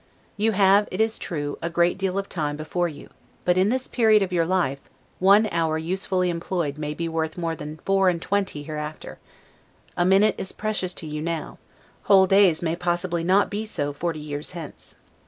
You have it is true, a great deal of time before you; but, in this period of your life, one hour usefully employed may be worth more than four and twenty hereafter; a minute is precious to you now, whole days may possibly not be so forty years hence.